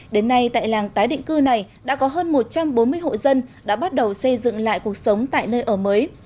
đến nay tại làng tái định cư này đã có hơn một trăm bốn mươi hộ dân đã bắt đầu xây dựng lại cuộc sống tại nơi ở mới